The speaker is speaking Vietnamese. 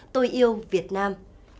tôi yêu việt nam